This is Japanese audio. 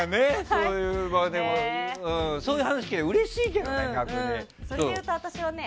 そういう話を聞いたらうれしいけどね。